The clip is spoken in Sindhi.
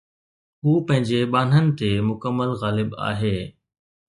هو پنهنجي ٻانهن تي مڪمل غالب آهي